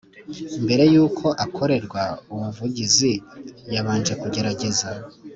mbere y uko akorerwa ubuvugizi yabanje kugerageza